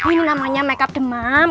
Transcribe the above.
ini namanya makeup demam